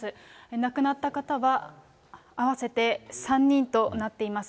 亡くなった方は合わせて３人となっています。